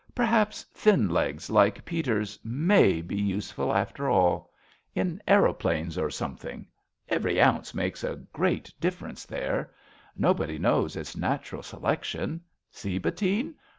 Perhaps thin legs Like Peter's Tnay be useful, after all, 47 RADA In aeroplanes, or something. Every ounce Makes a great difference there. Nobody knows. It's natural selection. See, Bettine?